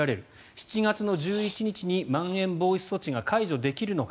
７月１１日にまん延防止措置が解除できるのか。